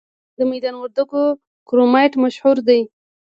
د میدان وردګو کرومایټ مشهور دی؟